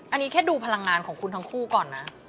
อันนี้แค่ดูพลังงานของคุณทั้งคู่ก่อนนะ